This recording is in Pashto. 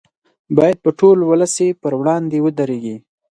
باید په ټول وس یې پر وړاندې ودرېږي.